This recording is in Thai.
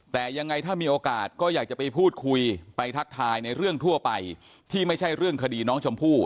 แต่ยังไงถ้ามีโอกาสก็อยากจะไปพูดคุยไปทักทายในเรื่องทั่วไปที่ไม่ใช่เรื่องคดีน้องชมพู่